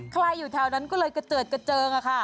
ใครอยู่แถวนั้นก็เลยเกอร์เจิดเกอร์เจิงอะค่ะ